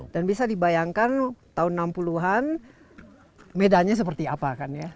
dan bisa dibayangkan tahun enam puluh an medannya seperti apa kan ya